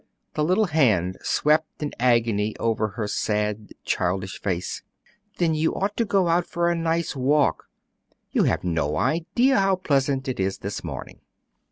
The little hand swept in agony over her sad, childish face. "Then you ought to go out for a nice walk. You have no idea how pleasant it is this morning."